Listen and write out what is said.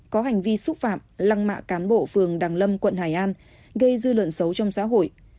có hành vi xúc phạm lăng mạ cán bộ phường đằng lâm quận hải an gây dư luận xấu trong xã hội